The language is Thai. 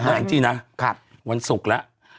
วันจีนนะวันศุกร์ละ